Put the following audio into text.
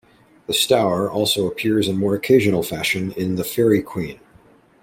The Stour also appears in more occasional fashion in The Faerie Queene.